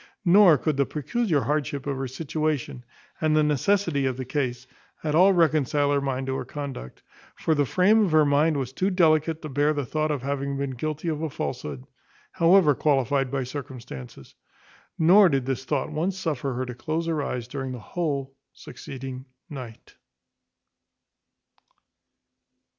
Nor could the peculiar hardship of her situation, and the necessity of the case, at all reconcile her mind to her conduct; for the frame of her mind was too delicate to bear the thought of having been guilty of a falsehood, however qualified by circumstances. Nor did this thought once suffer her to close her eyes during the whole succeeding night.